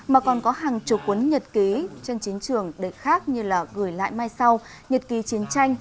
mà còn có hàng chục cuốn nhật ký trên chiến trường để khác như là gửi lại mai sau nhật ký chiến tranh